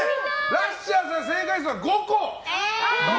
ラッシャーさん正解数は５個！